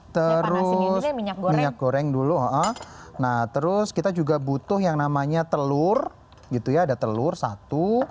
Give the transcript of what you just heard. terus minyak goreng dulu nah terus kita juga butuh yang namanya telur gitu ya ada telur satu